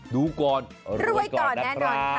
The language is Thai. ดูก่อนรวยก่อนแน่นอนค่ะ